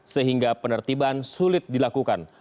sehingga penertiban sulit dilakukan